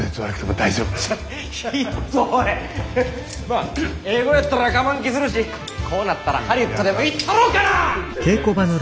まあ英語やったらかまん気するしこうなったらハリウッドでも行ったろうかな！